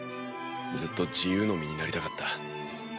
ずっと自由の身になりたかった。